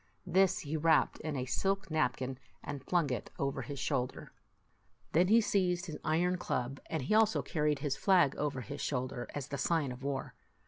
This he wrapped in a silk napkin, and flung it over his shoulder. Then he seized his iron club, and he also car ried his flag over his shoulder, as the sign of war.